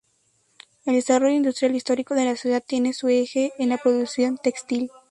El desarrollo industrial histórico de la ciudad tiene su eje en la producción textil.